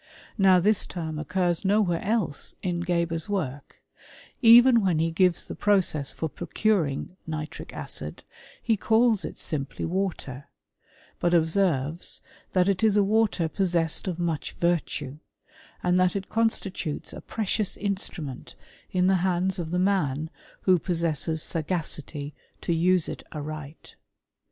Not*! this term occurs nowhere else in Geber's work: ereu* when he gives the process for procuring nitric acid, Iptf " calls it simply water ; but observes, that it is a watfl^ possessed of much virtue, and that it constitutes ll precious instrument in the hands of the man wW possesses sagacity to use it aright.